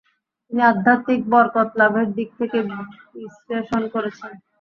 তিনি আধ্যাত্মিক বরকত লাভের দিক থেকে বিশ্লেষণ করেছেন।